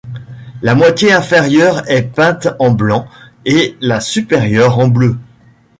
La moitié inférieure est peinte en blanc et la supérieure en bleu.